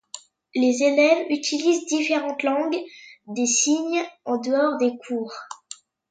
Les élèves utilisent différentes langues des signes en dehors des cours.